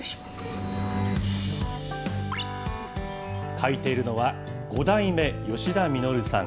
書いているのは、５代目吉田稔さん。